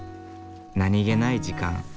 何気ない時間。